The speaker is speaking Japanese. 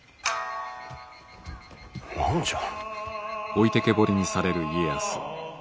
何じゃ。